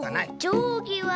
じょうぎは？